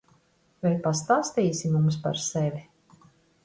Vai pastāstīsi mums par sevi?